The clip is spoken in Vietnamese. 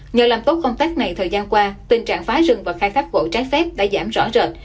nhờ làm tốt công tác này thời gian qua tình trạng phá rừng và khai thác gỗ trái phép đã giảm rõ rệt